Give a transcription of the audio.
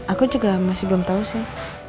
aku juga masih belum tahu sih